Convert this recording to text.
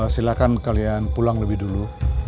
silahkan kalian pulang lebih dulu